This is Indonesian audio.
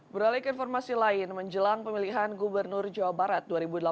beralih ke informasi lain menjelang pemilihan gubernur jawa barat dua ribu delapan belas